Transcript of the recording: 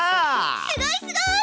すごいすごい！